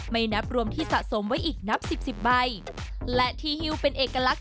นับรวมที่สะสมไว้อีกนับสิบสิบใบและที่ฮิวเป็นเอกลักษณ